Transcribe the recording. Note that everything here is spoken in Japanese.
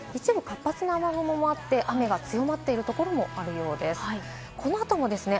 一部活発な雨雲もあって雨が強まっているところもあるようです。